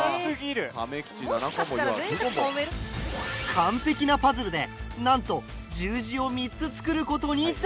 完璧なパズルでなんと十字を３つ作る事に成功。